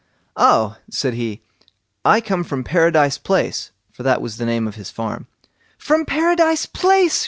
"Oh!" said he, "I come from Paradise Place", for that was the name of his farm. "From Paradise Place!"